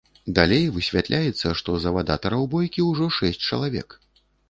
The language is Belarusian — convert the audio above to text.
Далей высвятляецца, што завадатараў бойкі ўжо шэсць чалавек.